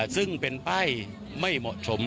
ซึ่งเป็นป้ายไม่เหมาะสม